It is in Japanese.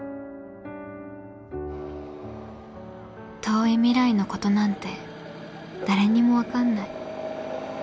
遠い未来のことなんて誰にもわかんない。